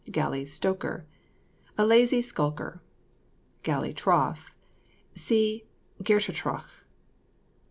GALLEY STOKER. A lazy skulker. GALLEY TROUGH. See GERLETROCH.